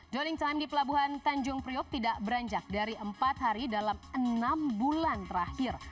dwelling time di pelabuhan tanjung priok tidak beranjak dari empat hari dalam enam bulan terakhir